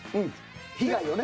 被害をね。